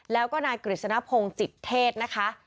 แล้วก็นายกฤษณพงศ์จิตเทศนะคะ